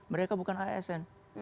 mereka bukan asn